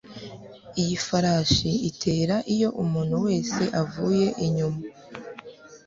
Iyi farashi itera iyo umuntu wese avuye inyuma.